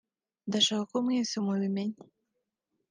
“Ndashaka ko mwese mubimenya